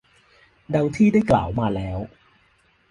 ดังที่ได้กล่าวมาแล้ว